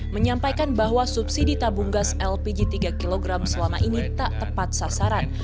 menyampaikan bahwa subsidi tabung gas lpg tiga kg selama ini tak tepat sasaran